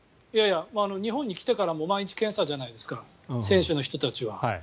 日本に来てからも毎日検査じゃないですか選手の人たちは。